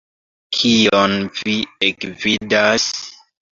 Kion vi ekvidas?